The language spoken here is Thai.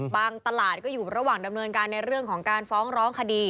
ตลาดก็อยู่ระหว่างดำเนินการในเรื่องของการฟ้องร้องคดี